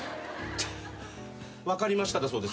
「分かりました」だそうです。